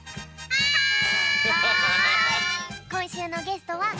はい！